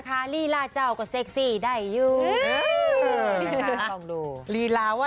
เออลีลาว่าดี